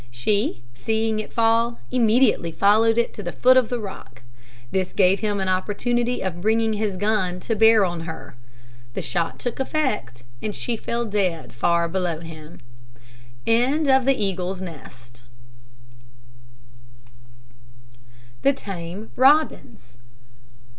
She, seeing it fall, immediately followed it to the foot of the rock. This gave him an opportunity of bringing his gun to bear on her. The shot took effect, and she fell dead far below him. THE TAME ROBINS.